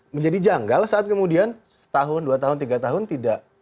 menjadi janggal saat kemudian setahun dua tahun tiga tahun tidak